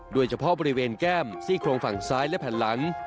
โดยเฉพาะบริเวณแก้มซี่โครงฝั่งซ้ายและแผ่นหลัง